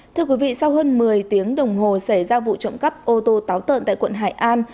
thưa quý vị sau hơn một mươi tiếng đồng hồ xảy ra vụ trộm cắp ô tô táo tợn tại quận hải an